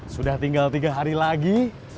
sudah tinggal tiga hari lagi